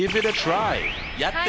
はい。